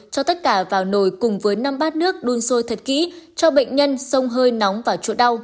cho tất cả vào nồi cùng với năm bát nước đun sôi thật kỹ cho bệnh nhân sông hơi nóng và chỗ đau